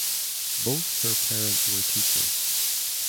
Both her parents were teachers.